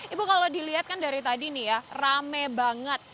ibu kalau dilihat kan dari tadi nih ya rame banget